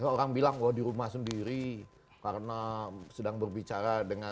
orang bilang bahwa di rumah sendiri karena sedang berbicara dengan